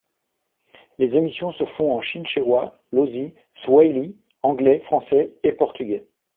Les émissions se font en chinchewa, Lozi, Swahili, anglais, français et portugais.